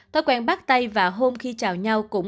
thói quen bắt tay và hôn khi chào nhau